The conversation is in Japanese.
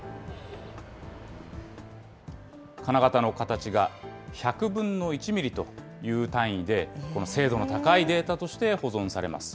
金型の形が１００分の１ミリという単位で精度の高いデータとして保存されます。